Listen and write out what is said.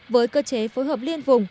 với cơ chế phối hợp liên vụ